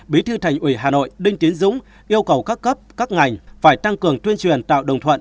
bí thư thành ủy hà nội đinh tiến dũng yêu cầu các cấp các ngành phải tăng cường tuyên truyền tạo đồng thuận